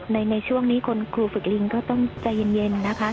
ในช่วงนี้คุณครูฝึกลิงก็ต้องใจเย็นนะคะ